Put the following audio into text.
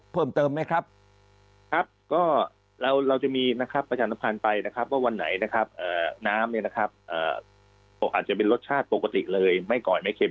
เพิ่มเติมไหมครับครับก็เราจะวันไหนนะครับน้ำมีรสชาติปกติเลยไม่กล่อยไหม